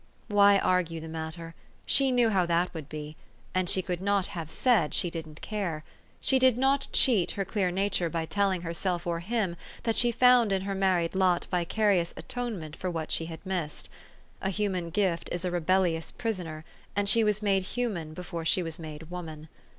Why argue the matter? She knew how that would be. And she could not have said she did not care. She did not cheat her clear 428 THE STORY OF AVIS. nature by telling herself or him that she found in her married lot vicarious atonement for what she had missed. A human gift is a rebellious prisoner, and she was made human before she was made woman.